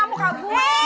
apaan sih ya nje